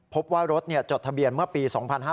พบว่ารถเนี่ยจดทะเบียนเมื่อปี